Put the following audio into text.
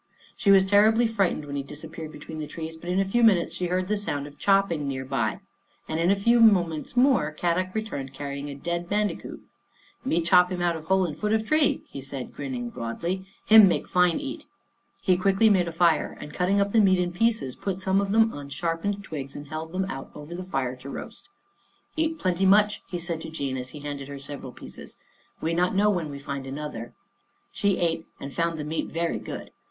She was terribly frightened when he disappeared between the trees, but in a few minutes she heard the sound of chopping near by, and in a few moments more, Kadok re turned carrying a dead bandicoot. " Me chop him out of hole in foot of tree," he said, grinning broadly. " Him make fine eat." He quickly made a fire, and cutting up the meat in pieces, put some of them on sharpened twigs, and held them over the fire to roast. 86 Our Little Australian Cousin " Eat plenty much," he said to Jean as he handed her several pieces. " We not know when we find another." She ate and found the meat very good.